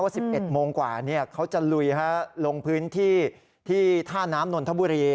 สิบเอ็ดโมงกว่าเนี่ยเขาจะลุยฮะลงพื้นที่ที่ท่าน้ำนนทบุรี